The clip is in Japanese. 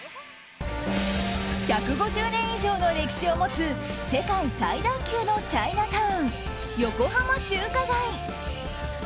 １５０年以上の歴史を持つ世界最大級のチャイナタウン横浜中華街。